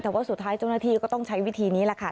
แต่ว่าสุดท้ายเจ้าหน้าที่ก็ต้องใช้วิธีนี้แหละค่ะ